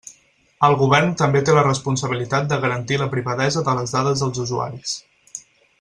El govern també té la responsabilitat de garantir la privadesa de les dades dels usuaris.